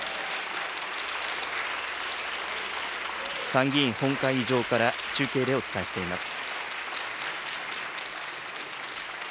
参議院本会議場から中継でお伝えしています。